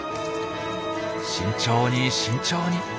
慎重に慎重に。